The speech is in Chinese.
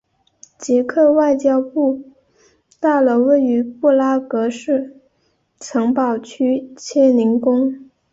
捷克外交部大楼位于布拉格市城堡区切宁宫。